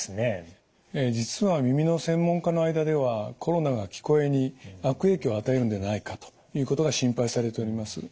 ええ実は耳の専門家の間ではコロナが聞こえに悪影響を与えるんではないかということが心配されております。